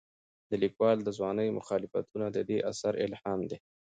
د لیکوال د ځوانۍ مخالفتونه د دې اثر الهام دي.